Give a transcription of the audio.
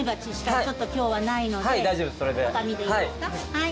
はい。